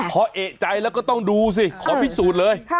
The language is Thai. พอเอกใจแล้วก็ต้องดูสิขอพิสูจน์เลย